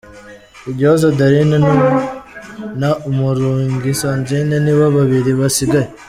Igihozo Darine na Umurungi Sandrine nibo babiri basigaye.